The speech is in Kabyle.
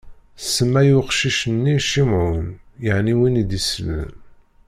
Tsemma i uqcic-nni Cimɛun, yeɛni win i d-isellen.